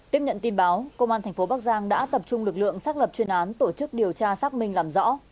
tiếp nhận tin báo công an thành phố bắc giang đã tập trung lực lượng xác lập chuyên án tổ chức điều tra xác minh làm rõ